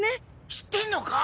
知ってんのか？